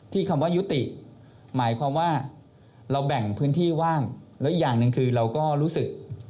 คำว่ายุติหมายความว่าเราแบ่งพื้นที่ว่างแล้วอีกอย่างหนึ่งคือเราก็รู้สึก